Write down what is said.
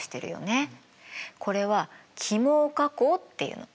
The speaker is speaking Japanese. これは起毛加工っていうの。